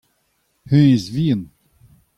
hennezh vihan.